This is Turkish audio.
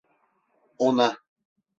Ona!